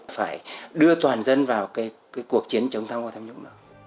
phải đưa toàn dân vào cuộc chiến chống tham ô tham nhũng